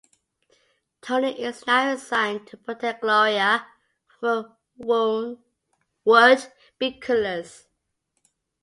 Tony is now assigned to protect Gloria from her would-be killers.